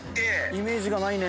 イメージがないね。